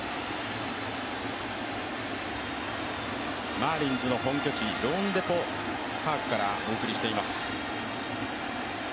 マーリンズの本拠地ローンデポ・パークからお送りしています。